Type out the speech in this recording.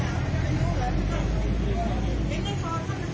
อันดับอันดับอันดับอันดับอันดับ